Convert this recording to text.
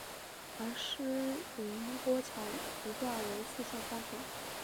而师云砵桥一段为四线双程。